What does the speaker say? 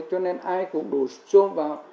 cho nên ai cũng đổ xuống vào